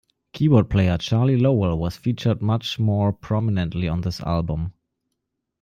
Keyboard player Charlie Lowell was featured much more prominently on this album.